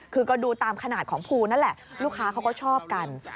คือก็ดูตามขนาดของภูนั่นแหละลูกค้าเขาก็ชอบกัน